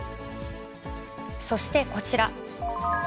そしてこちら。